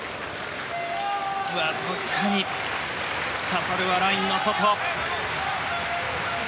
わずかにシャトルはラインの外。